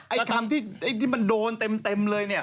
ไอ้คำที่มันโดนเต็มเลยเนี่ย